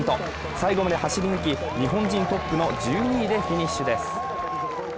最後まで走り抜き、日本人トップの１２位でフィニッシュです。